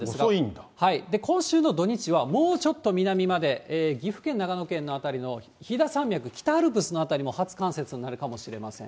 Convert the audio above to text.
今週の土日はもうちょっと南まで、岐阜県、長野県の辺りの飛騨山脈、北アルプスの辺りも初冠雪になるかもしれません。